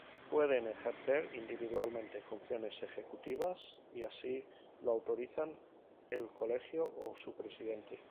Pueden ejercer individualmente funciones ejecutivas si así lo autorizan el Colegio o su Presidente.